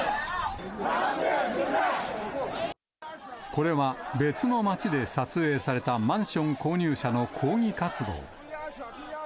これは別の街で撮影されたマンション購入者の抗議活動。